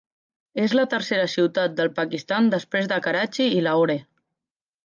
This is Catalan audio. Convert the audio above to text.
És la tercera ciutat del Pakistan després de Karachi i Lahore.